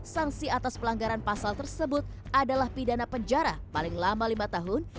sanksi atas pelanggaran pasal tersebut adalah pidana penjara paling lama lima tahun